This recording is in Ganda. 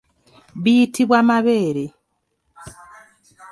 Biyitibwa mabeere.